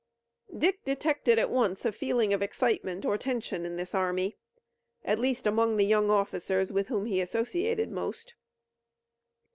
Dick detected at once a feeling of excitement or tension in this army, at least among the young officers with whom he associated most.